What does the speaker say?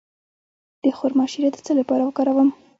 د خرما شیره د څه لپاره وکاروم؟